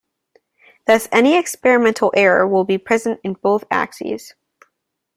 Thus any experimental error will be present in both axes.